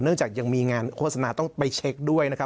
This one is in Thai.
จากยังมีงานโฆษณาต้องไปเช็คด้วยนะครับ